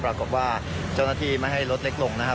ปรากฏว่าเจ้าหน้าที่ไม่ให้รถเล็กลงนะครับ